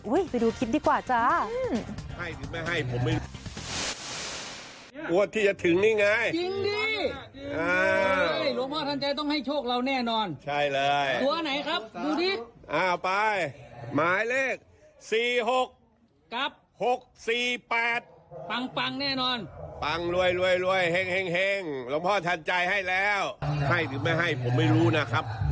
ไปดูคลิปดีกว่าจ้า